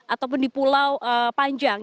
ataupun di pulau panjang